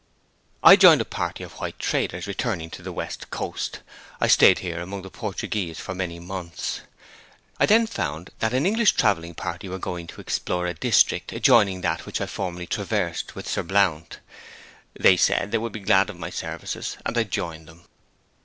I joined a party of white traders returning to the West Coast. I stayed here among the Portuguese for many months. I then found that an English travelling party were going to explore a district adjoining that which I had formerly traversed with Sir Blount. They said they would be glad of my services, and I joined them.